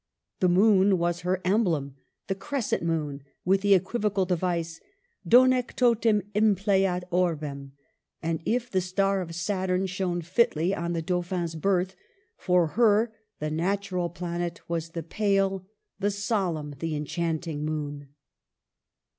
The moon was her emblem, — the crescent moon, with the equivocal device, '' Donee totum impleat orbem." And if the star of Saturn shone fitly on the Dauphin's birth, for her the natural planet was the pale, the solemn, the enchanting moon.